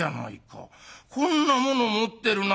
こんなもの持ってるなんてまあ。